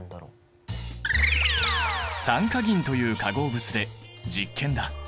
酸化銀という化合物で実験だ！